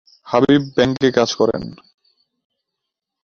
Habib bank কাজ করেন।